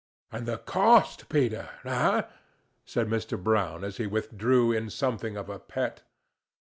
"And the cost, Peter? Eh?" said Mr. Brown as he withdrew in something of a pet.